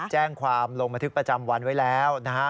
แจ้งความลงบันทึกประจำวันไว้แล้วนะฮะ